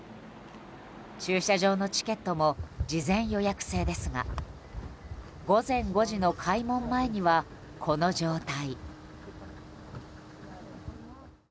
駐車場のチケットも事前予約制ですが午前５時の開門前にはこの状態。